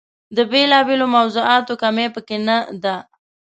د بېلا بېلو موضوعاتو کمۍ په کې نه ده.